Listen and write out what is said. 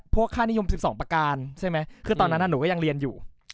พวกค่านิยม๑๒ประการตอนนั้นหนูก็ยังเรียนอยู่